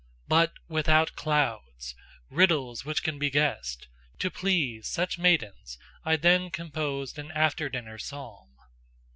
but without clouds: riddles which can be guessed: to please such maidens I then composed an after dinner psalm."